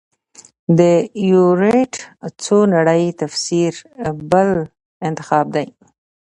د ایورېټ څو نړۍ تفسیر بل انتخاب دی.